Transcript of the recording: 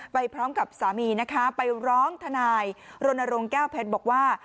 ไปพร้อมกับสามีนะคะไปร้องทนายรณรงค์แก้วเพชรบอกว่า